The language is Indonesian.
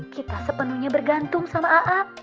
kita sepenuhnya bergantung sama aa